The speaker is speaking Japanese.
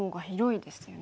ですよね。